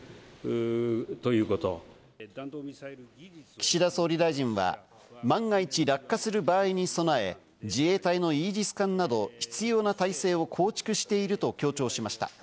岸田総理大臣は、万が一、落下する場合に備え、自衛隊のイージス艦など必要な体制を構築していると強調しました。